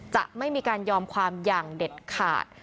จะไม่มีการยอมความอย่างเด็ดขาด